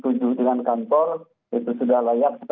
itu sudah layak sekarang di renovasi karena sudah rusak juga